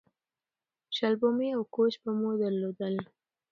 شلومبې او کوچ به مو درلودل